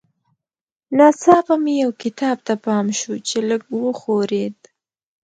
ناڅاپه مې یو کتاب ته پام شو چې لږ وښورېد